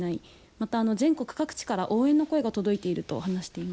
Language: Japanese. また、全国各地から応援の声が届いていると話していました。